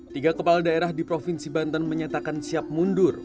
tiga kepala daerah di provinsi banten menyatakan siap mundur